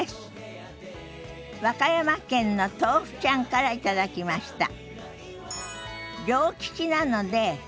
和歌山県のとうふちゃんから頂きました。